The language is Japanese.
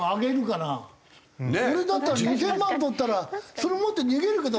俺だったら２０００万とったらそれ持って逃げるけど。